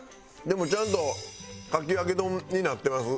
でもちゃんとかき揚げ丼になってます。